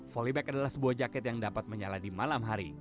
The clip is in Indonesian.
volleyback adalah sebuah jaket yang dapat menyala di malam hari